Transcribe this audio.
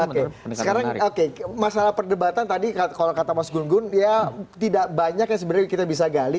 oke sekarang oke masalah perdebatan tadi kalau kata mas gun gun ya tidak banyak yang sebenarnya kita bisa gali